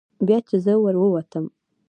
بیا چې زه ور ووتم.